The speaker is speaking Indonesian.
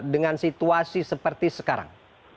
dengan situasi seperti sekarang